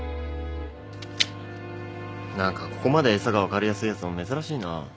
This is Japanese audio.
何かここまで餌が分かりやすいやつも珍しいな。